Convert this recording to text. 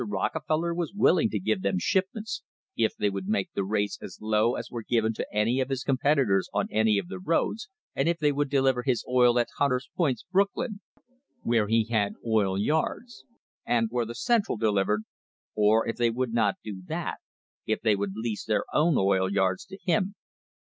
Rockefeller was willing to give them shipments if they would make the rates as low as were given to any of his competitors on any of the roads, and if they would deliver his oil at Hunter's Point, Brooklyn, where he had oil yards, and where the Central delivered, or if they would not do that if they would lease their own oil yards to him.